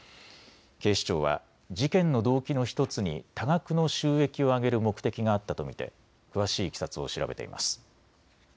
警視庁は事件の動機の１つに多額の収益を上げる目的があったと見て詳しいいきさつを調べています。